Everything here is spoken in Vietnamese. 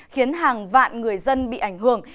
khiến hàng vạn người dân bị ảnh hưởng